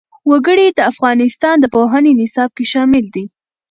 وګړي د افغانستان د پوهنې نصاب کې شامل دي.